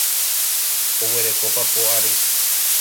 Oguereko papo ary.